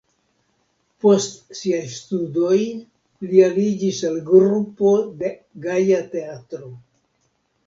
Post siaj studoj li aliĝis al trupo de Gaja Teatro.